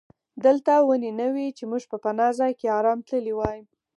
دلته ونې نه وې چې موږ په پناه ځای کې آرام تللي وای.